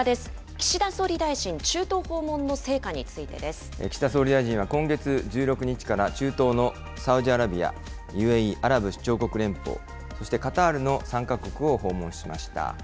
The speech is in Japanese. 岸田総理大臣、中東訪問の成果に岸田総理大臣は今月１６日から、中東のサウジアラビア、ＵＡＥ・アラブ首長国連邦、そしてカタールの３か国を訪問しました。